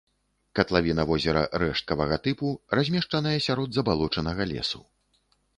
Катлавіна возера рэшткавага тыпу, размешчаная сярод забалочанага лесу.